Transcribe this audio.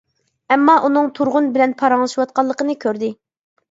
ئەمما ئۇنىڭ تۇرغۇن بىلەن پاراڭلىشىۋاتقانلىقىنى كۆردى.